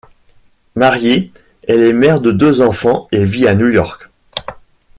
Mariée, elle est mère de deux enfants et vit à New York.